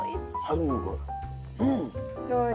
うん！